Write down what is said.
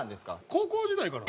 高校時代から？